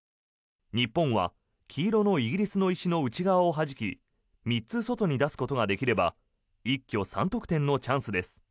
日本は黄色のイギリスの石の内側をはじき３つ外に出すことができれば一挙３得点のチャンスです。